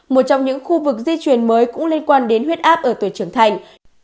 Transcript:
một trong những khu vực di truyền mới cũng liên quan đến huyết áp ở tuổi trưởng thành